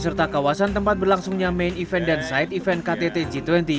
serta kawasan tempat berlangsungnya main event dan side event ktt g dua puluh